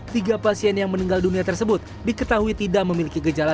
tiga pasien yang meninggal dunia tersebut diketahui tidak memiliki gejala